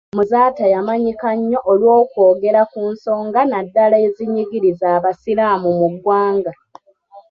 Muzaata yamanyika nnyo olw'okwogera ku nsonga naddala ezinyigiriza abasiraamu mu ggwanga.